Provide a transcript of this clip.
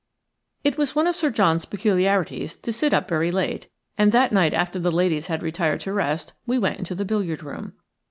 It was one of Sir John's peculiarities to sit up very late, and that night after the ladies had retired to rest we went into the billiard room.